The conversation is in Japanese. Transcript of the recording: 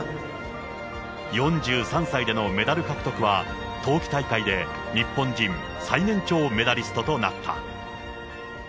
４３歳でのメダル獲得は、冬季大会で日本人最年長メダリストとなった。